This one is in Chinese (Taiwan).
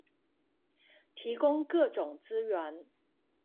提供各種資源